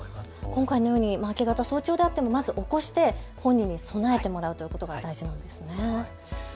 今回のように早朝であってもまずは起こして本人に備えてもらうということが大事なんですね。